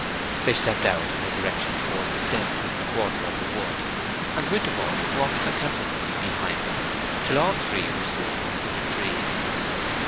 They stepped out in a direction towards the densest quarter of the wood, and Winterborne walked contemplatively behind them, till all three were soon under the trees.